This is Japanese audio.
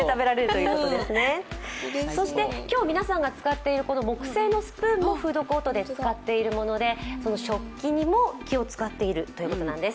今日皆さんが使っている木製のスプーンもフードコートで使っているもので、食器にも気を使っているということなんです。